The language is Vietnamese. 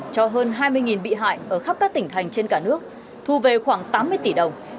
cho hơn hai mươi bị hại ở khắp các tỉnh thành trên cả nước thu về khoảng tám mươi tỷ đồng